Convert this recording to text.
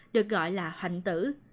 được gọi là hạnh tử